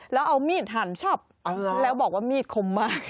แล้วเอามีดหั่นชอบแล้วบอกว่ามีดคมมาก